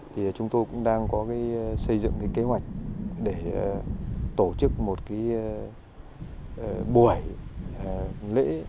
thì chúng tôi cũng đang có cái xây dựng cái kế hoạch để tổ chức một cái buổi lễ